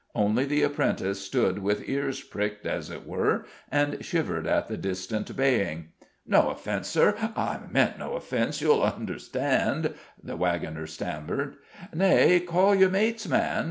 Only the apprentice stood with ears pricked, as it were, and shivered at the distant baying. "No offence, Sir; I meant no offence, you'll understand," the wagoner stammered. "Nay, call your mates, man!"